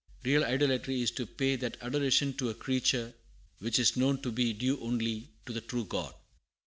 Real idolatry is to pay that adoration to a creature which is known to be due only to the true God.